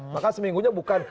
maka seminggunya bukan